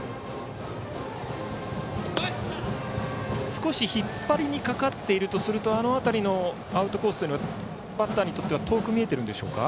少し引っ張りにかかっているとするとあの辺りのアウトコースというのはバッターにとっては遠く見えてるんでしょうか。